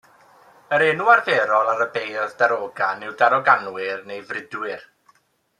Yr enw arferol ar y beirdd darogan yw daroganwyr neu frudwyr.